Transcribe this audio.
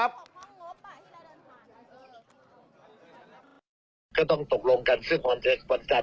ออทับไม่ได้ดามาก็ต้องตกลงกันซึ่งความเจรูปสัญลัย